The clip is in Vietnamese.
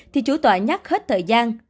thì chủ tọa nhắc hết thời gian